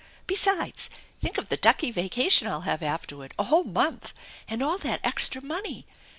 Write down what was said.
Besides, think of the ducky vacation I'll have afterward, a whole month ! And all that extra money